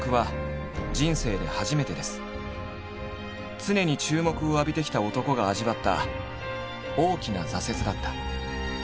常に注目を浴びてきた男が味わった大きな挫折だった。